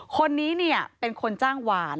คนนี้เป็นคนจ้างหวาน